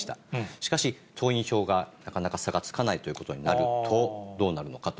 しかし、党員票がなかなか差がつかないということになるとどうなるのかと。